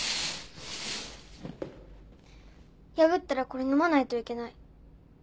破ったらこれ飲まないといけない。